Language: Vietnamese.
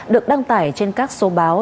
được đăng tải trên các số báo